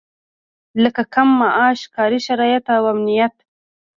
لکه کم معاش، کاري شرايط او امنيت.